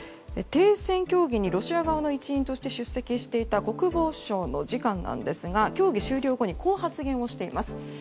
停戦協議にロシア側の一員として出席していた国防省の次官なんですが協議終了後にこう発言をしています。